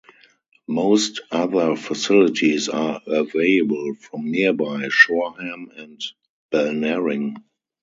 Most other facilities are available from nearby Shoreham and Balnarring.